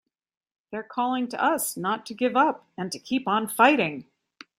They're calling to us not to give up and to keep on fighting!